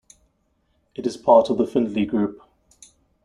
It is part of the Findlay Group.